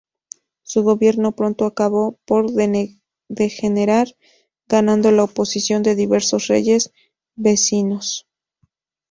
Su gobierno pronto acabó por degenerar, ganando la oposición de diversos reyes vecinos.